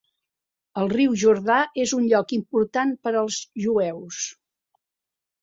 El riu Jordà és un lloc important per als jueus.